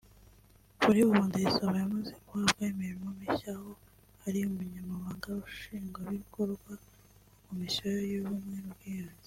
Kuri ubu Ndayisaba yamaze guhabwa imirimo mishya aho ari Umunyamabanga Nshingwabikorwa wa Komisiyo y’ubumwe n’Ubwiyunge